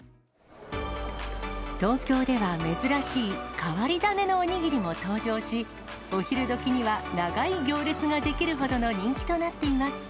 東京では珍しい変わり種のおにぎりも登場し、お昼どきには長い行列が出来るほどの人気となっています。